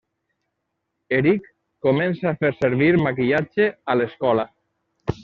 Eric comença a fer servir maquillatge a l'escola.